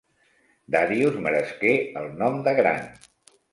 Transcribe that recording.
Darius meresqué el nom de gran.